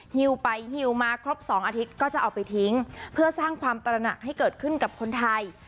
ฮิวไปหิวมาครบ๒อาทิตย์ก็จะเอาไปทิ้งเพื่อสร้างความตระหนักให้เกิดขึ้นกับคนไทย